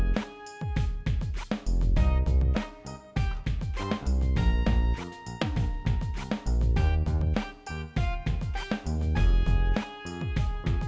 lo harusnya kreatif kasianti